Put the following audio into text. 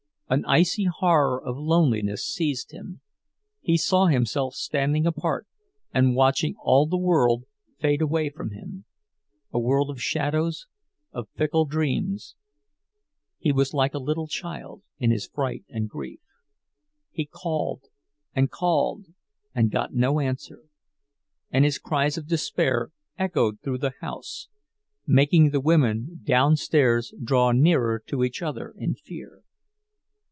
An icy horror of loneliness seized him; he saw himself standing apart and watching all the world fade away from him—a world of shadows, of fickle dreams. He was like a little child, in his fright and grief; he called and called, and got no answer, and his cries of despair echoed through the house, making the women downstairs draw nearer to each other in fear.